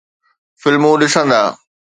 فلمون ڏسندا